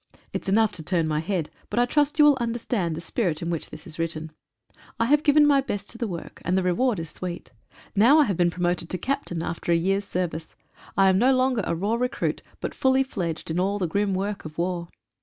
Enough to turn my head, but I trust you will understand the spirit in which this is written. I have given my best to 112 A RETROSPECT. the work, and the reward is sweet. Now I have been promoted to captain, after a year's service. I am no longer a raw recruit, but fully fledged in all the grim work of war.